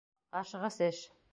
Ашығыс эш.